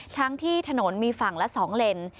ทั้งที่ถนนมีฝั่งละ๒เลน